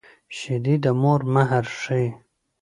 شیدې د مور مهر ښيي